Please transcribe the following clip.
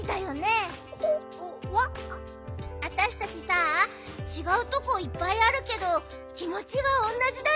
わたしたちさちがうとこいっぱいあるけどきもちはおんなじだよね。